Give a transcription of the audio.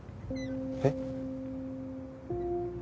えっ？